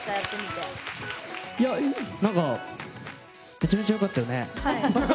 めちゃめちゃよかったよね。